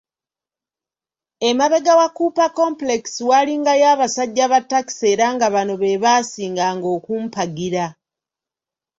Emabega wa Cooper Complex waalingayo abasajja ba taxi era nga bano be baasinganga okumpagira.